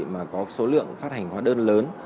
mà có số lượng phát hành hóa đơn lớn